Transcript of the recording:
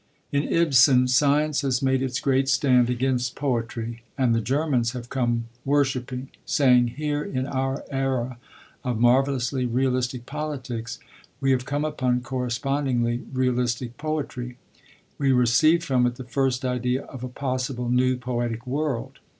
In Ibsen science has made its great stand against poetry; and the Germans have come worshipping, saying, 'Here, in our era of marvellously realistic politics, we have come upon correspondingly realistic poetry.... We received from it the first idea of a possible new poetic world....